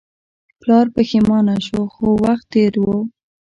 پلار پښیمانه شو خو وخت تیر و.